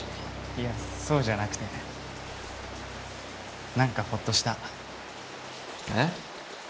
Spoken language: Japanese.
いやそうじゃなくて何かホッとした。え？